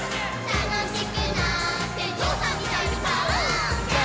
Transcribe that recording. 「たのしくなってぞうさんみたいにパオーン」